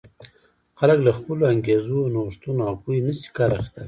خلک له خپلو انګېزو، نوښتونو او پوهې نه شي کار اخیستلای.